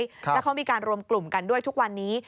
แล้วเขามีการรวมกลุ่มกันด้วยทุกวันนี้